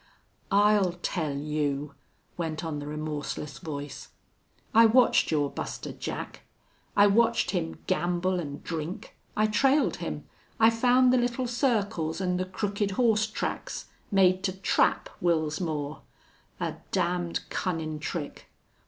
"I'll tell you ..." went on the remorseless voice. "I watched your Buster Jack. I watched him gamble an' drink. I trailed him. I found the little circles an' the crooked horse tracks made to trap Wils Moore.... A damned cunnin' trick!...